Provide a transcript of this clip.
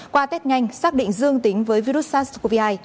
qua test nhanh xác định dương tính với virus sars cov hai